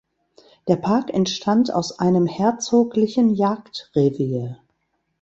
Der Park entstand aus einem herzoglichen Jagdrevier.